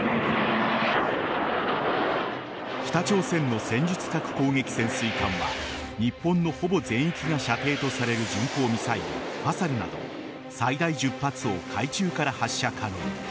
北朝鮮の戦術核攻撃潜水艦は日本のほぼ全域が射程とされる巡航ミサイル・ファサルなど最大１０発を海中から発射可能。